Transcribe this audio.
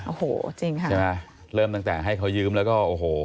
โอ้โหจริงค่ะใช่ไหมเริ่มตั้งแต่ให้เขายืมแล้วก็โอ้โห